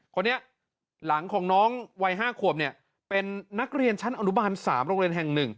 คนนี้หลังของน้องวัย๕ขวบเนี่ยเป็นนักเรียนชั้นอนุบาล๓โรงเรียนแห่ง๑